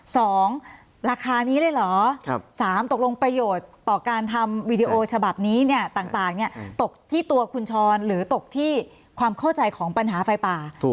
สองราคานี้เลยเหรอสามตกลงประโยชน์ต่อการทำวีดีโอฉบับนี้เนี่ยต่างต่างเนี่ยตกที่ตัวคุณชรหรือตกที่ความเข้าใจของปัญหาไฟป่า